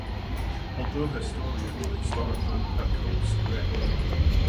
Although her story is not historical, her cult spread.